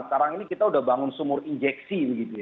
sekarang ini kita sudah bangun sumur injeksi gitu ya